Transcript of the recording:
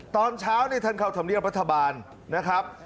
ตอนเช้าท่านเขาทำเรียนรัฐบาลนะครับ